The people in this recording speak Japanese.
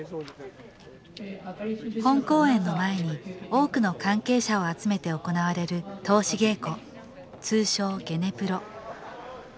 本公演の前に多くの関係者を集めて行われる通し稽古通称「ゲネプロ」。